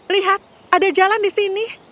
lihat ada jalan di sini